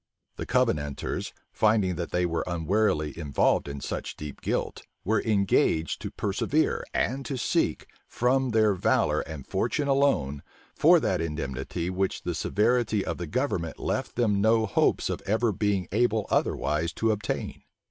The Covenanters, finding that they were unwarily involved in such deep guilt, were engaged to persevere, and to seek, from their valor and fortune alone, for that indemnity which the severity of the government left them no hopes of ever being able otherwise to obtain.